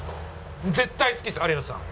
絶対好きです有吉さん！